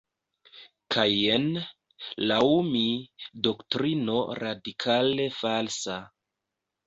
Kaj jen, laŭ mi, doktrino radikale falsa"".